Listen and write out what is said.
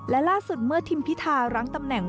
และล่าสุดเมื่อทิมพิธารั้งตำแหน่ง